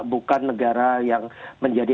bukan negara yang menjadi